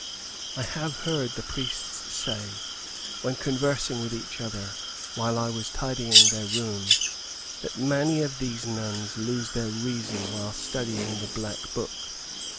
I have heard the priests say, when conversing with each other, while I was tidying their room, that many of these nuns lose their reason while studying the Black Book.